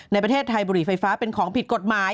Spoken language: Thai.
ในประเทศไทยบุหรี่ไฟฟ้าเป็นของผิดกฎหมาย